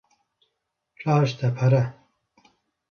Rahişte pere.